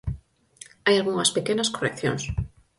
Hai algunhas pequenas correccións.